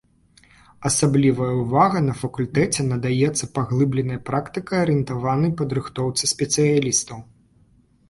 Асаблівая ўвага на факультэце надаецца паглыбленай практыка-арыентаванай падрыхтоўцы спецыялістаў.